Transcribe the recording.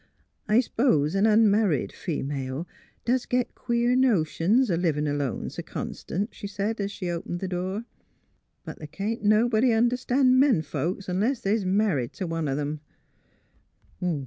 " I s'pose an unmarried female does git queer notions, a livin' alone s' constant," she said, as she opened the door. " But th' can't nobody un derstand men folks, 'nless they're married t' one of 'em."